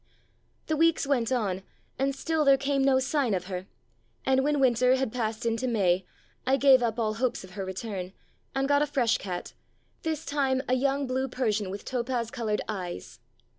The weeks went on, and still there came no sign 2 43 "Puss cat" of her, and when winter had passed into May I gave up all hopes of her return, and got a fresh cat, this time a young blue Persian with topaz coloured eyes.